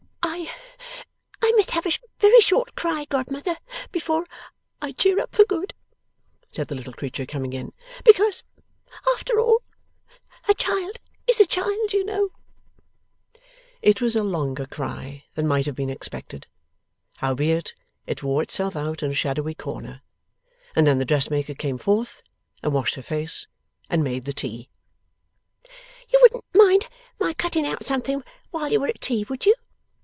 'I must have a very short cry, godmother, before I cheer up for good,' said the little creature, coming in. 'Because after all a child is a child, you know.' It was a longer cry than might have been expected. Howbeit, it wore itself out in a shadowy corner, and then the dressmaker came forth, and washed her face, and made the tea. 'You wouldn't mind my cutting out something while we are at tea, would you?